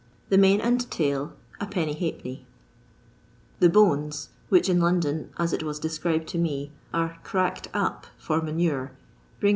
the mane and uil, \\d, ; the bones, which in London (as it was described to roe) are " cracked up " for manure, bring Is.